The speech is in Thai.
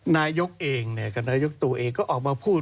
นายกเป็นต่อเองคุณนายกตรูเป็นคุณไอก็ออกมาพูด